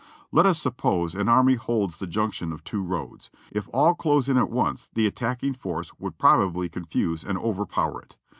Let us suppose an army holds the junction of two roads ; if all close in at once, the attacking force would probably confuse and overpower it.